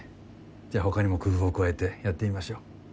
じゃあ他にも工夫を加えてやってみましょう。